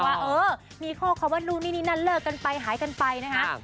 ว่าเออมีข้อความว่านู่นนี่นี่นั่นเลิกกันไปหายกันไปนะคะ